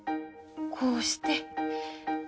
こうして。